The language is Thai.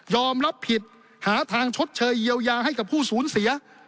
รับผิดหาทางชดเชยเยียวยาให้กับผู้สูญเสีย